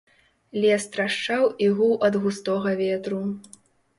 Лес трашчаў і гуў ад густога ветру.